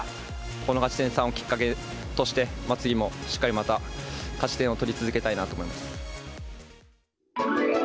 この勝ち点３をきっかけとして、次もしっかりまた、勝ち点を取り続けたいなと思います。